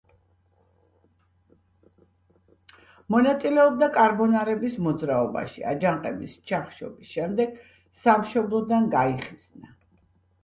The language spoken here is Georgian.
მონაწილეობდა კარბონარების მოძრაობაში, აჯანყების ჩახშობის შემდეგ სამშობლოდან გაიხიზნა.